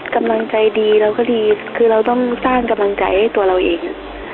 กำลังใจดีเราก็ดีคือเราต้องสร้างกำลังใจให้ตัวเราเอง